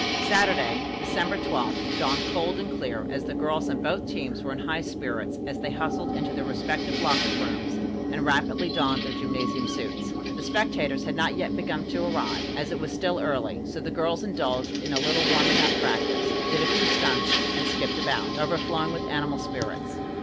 Saturday, December 12, dawned cold and clear, and the girls on both teams were in high spirits as they hustled into their respective locker rooms and rapidly donned their gymnasium suits. The spectators had not yet begun to arrive, as it was still early, so the girls indulged in a little warming up practice, did a few stunts and skipped about, overflowing with animal spirits.